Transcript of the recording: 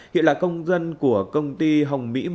hiện là công dân của công ty hồng mỹ